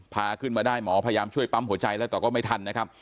พาขึ้นมาได้หมอพยายามช่วยปั๊มหัวใจแล้วแต่ก็ไม่ทันนะครับ